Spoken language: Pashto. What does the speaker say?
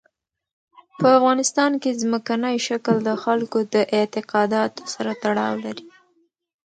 په افغانستان کې ځمکنی شکل د خلکو د اعتقاداتو سره تړاو لري.